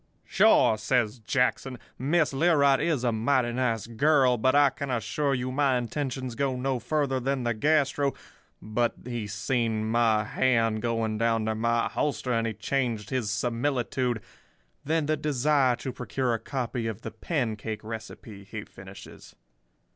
"'Sure,' says Jackson. 'Miss Learight is a mighty nice girl, but I can assure you my intentions go no further than the gastro—' but he seen my hand going down to my holster and he changed his similitude—'than the desire to procure a copy of the pancake recipe,' he finishes.